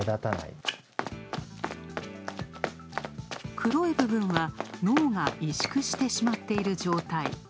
黒い部分は、脳が萎縮してしまっている状態。